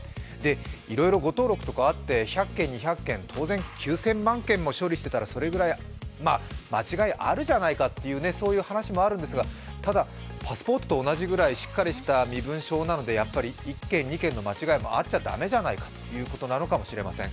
いろいろ誤登録とかあって１００件、２００件、処理してたらそれぐらい間違いあるじゃないかっていうそういう話もあるんですが、ただパスポートと同じくらいしっかりした身分証なのでやっぱり１件、２件の間違いもあっちゃ駄目じゃないかということなのかもしれません。